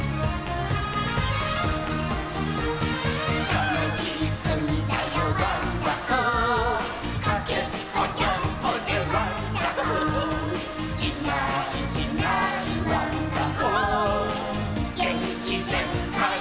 「たのしいくにだよワンダホー」「かけっこジャンプでワンダホー」「いないいないワンダホー」「げんきぜんかい」